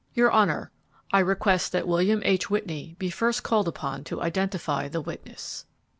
"Your honor, I request that William H. Whitney be first called upon to identify the witness."